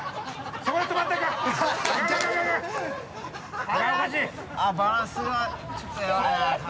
ちょっと待って